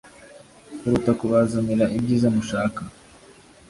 kuruta kubazanira ibyiza mushaka